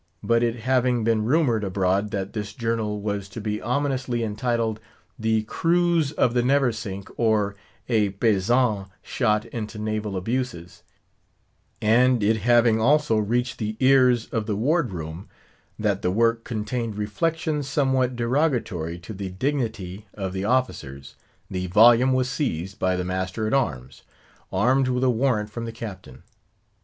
But it having been rumoured abroad that this journal was to be ominously entitled "The Cruise of the Neversink, or a Paixhan shot into Naval Abuses;" and it having also reached the ears of the Ward room that the work contained reflections somewhat derogatory to the dignity of the officers, the volume was seized by the master at arms, armed with a warrant from the Captain.